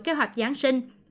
kế hoạch giáng sinh